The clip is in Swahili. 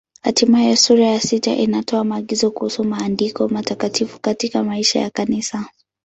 Hatimaye sura ya sita inatoa maagizo kuhusu Maandiko Matakatifu katika maisha ya Kanisa.